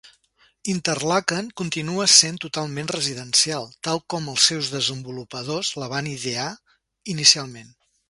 Interlaken continua sent totalment residencial, tal com els seus desenvolupadors la van idear inicialment.